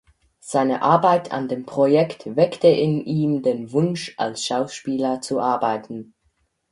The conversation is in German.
Seine Arbeit an dem Projekt weckte in ihm den Wunsch als Schauspieler zu arbeiten.